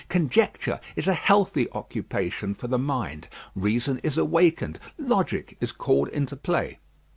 Conjecture is a healthy occupation for the mind. Reason is awakened: logic is called into play.